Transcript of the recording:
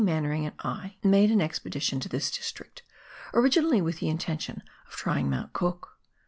Mannering and I made an TASMAN DISTRICT. 17 expedition to this district, originally with the intention of trying Mount Cook.